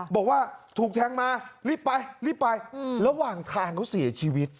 บอกว่าถูกแทงมารีบไปรีบไประหว่างทางเขาเสียชีวิต